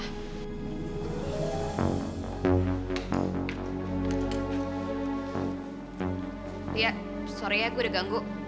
liat sorry ya gue udah ganggu